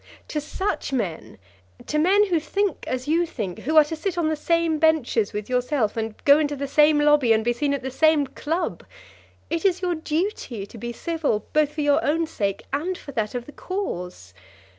To such men, to men who think as you think, who are to sit on the same benches with yourself, and go into the same lobby and be seen at the same club, it is your duty to be civil both for your own sake and for that of the cause.